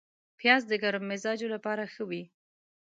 پیاز د ګرم مزاجو لپاره ښه وي